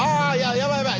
やばいやばい。